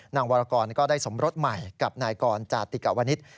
วรกรก็ได้สมรสใหม่กับนายกรจาติกวนิษฐ์